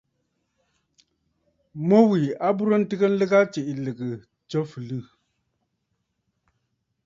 Mu wilì a burə nlɨgə aa tsiʼì lɨ̀gə̀, tso fɨliɨ̂.